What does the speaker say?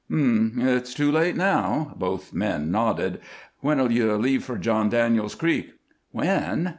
"Hm m! It's too late now." Both men nodded. "When 'll you leave for John Daniels Creek?" "When?